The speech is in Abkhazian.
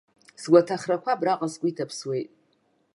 Сгәаҭахарақәа абраҟа сгәы иҭаԥсуеит.